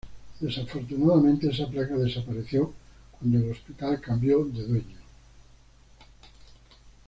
Desafortunadamente esa placa desapareció cuando el hospital cambió de dueño.